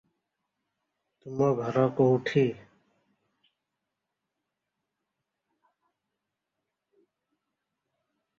It appears as an introduced species in some parts of Asia.